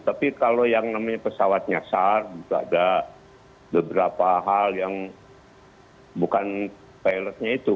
tapi kalau yang namanya pesawatnya sar itu ada beberapa hal yang bukan pilotnya itu